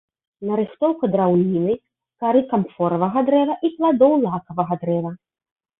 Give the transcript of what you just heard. Нарыхтоўка драўніны, кары камфоравага дрэва і пладоў лакавага дрэва.